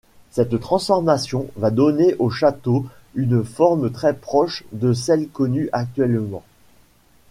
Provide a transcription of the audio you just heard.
Cette transformation va donner au château une forme très proche de celle connue actuellement.